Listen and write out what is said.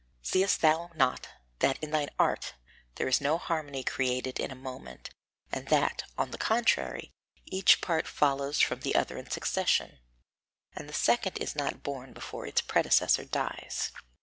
Seest thou not that in thine art there is no harmony created in a moment, and that, on the contrary, each part follows from the other in succession, and the second is not born before its predecessor dies.